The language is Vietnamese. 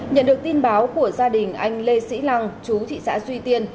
nhận được tin báo của gia đình anh lê sĩ lăng chú thị xã duy tiên